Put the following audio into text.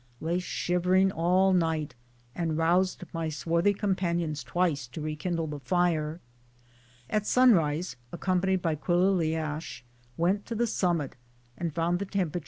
Lay shivering all night and roused my swarthy com panions twice to rekindle the fire. At sunrise, ac companied by Quilliliash, went to the summit and found the tempr.